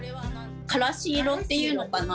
からし色っていうのかな。